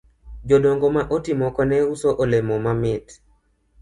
Jodongo ma oti moko ne uso olemo mamit